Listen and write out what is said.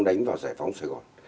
đánh vào giải phóng sài gòn